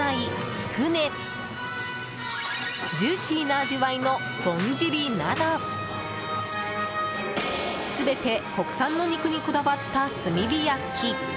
つくねジューシーな味わいのぼんじりなど全て国産の肉にこだわった炭火焼き。